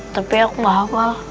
tapi aku gak hafal